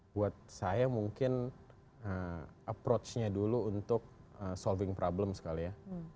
buat saya mungkin approach nya dulu untuk solving problems kali ya